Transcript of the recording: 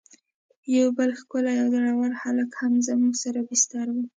یو بل ښکلی او زړه ور هلک هم زموږ سره بستر و.